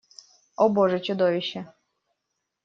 О боже, чудовище!